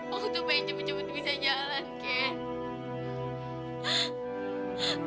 aku tuh pengen cepet cepet bisa jalan ken